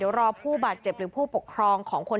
เดี๋ยวรอผู้บาดเจ็บหรือผู้ปกครองของคน